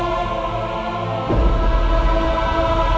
aku tidak tahu diri